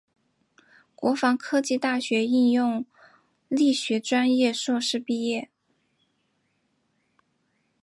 国防科技大学应用力学专业硕士毕业。